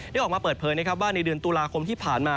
ออกมาเปิดเผยนะครับว่าในเดือนตุลาคมที่ผ่านมา